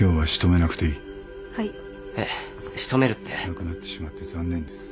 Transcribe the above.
亡くなってしまって残念です。